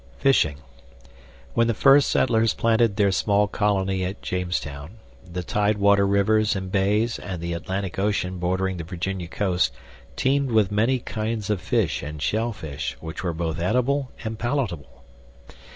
Fishing When the first settlers planted their small colony at Jamestown, the tidewater rivers and bays and the Atlantic Ocean bordering the Virginia coast teemed with many kinds of fish and shellfish which were both edible and palatable.